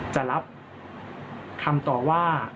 จะรับคำตอบว่า